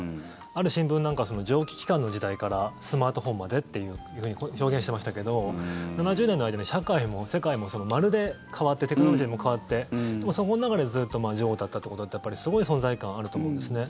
ある新聞なんかは蒸気機関の時代からスマートフォンまでというふうに表現していましたけど７０年の間に社会も世界もまるで変わってテクノロジーも変わってでも、そこの中でずっと女王だったってことはすごい存在感あると思うんですね。